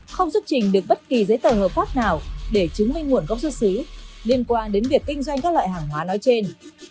không xuất trình được bất kỳ giấy tờ hợp pháp nào để chứng minh nguồn gốc xuất xứ liên quan đến việc kinh doanh các loại hàng hóa nói trên